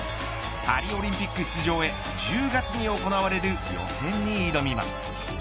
パリオリンピック出場へ１０月に行われる予選に挑みます。